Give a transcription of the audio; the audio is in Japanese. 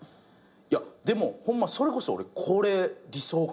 でもホンマそれこそ俺これ理想かも。